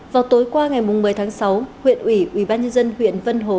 vào tối qua ngày một mươi tháng sáu huyện ủy ubnd huyện vân hồ